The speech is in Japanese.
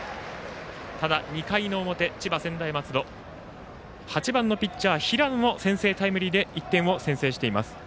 ただ２回の表、千葉・専大松戸８番のピッチャー、平野の先制タイムリーで１点先制しています。